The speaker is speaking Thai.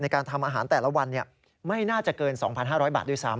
การทำอาหารแต่ละวันไม่น่าจะเกิน๒๕๐๐บาทด้วยซ้ำ